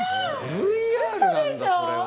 ＶＲなんだそれも。